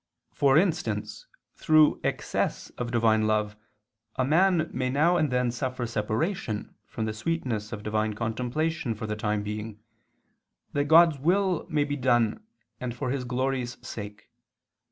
For instance through excess of Divine love a man may now and then suffer separation from the sweetness of Divine contemplation for the time being, that God's will may be done and for His glory's sake.